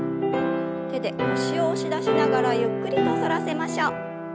手で腰を押し出しながらゆっくりと反らせましょう。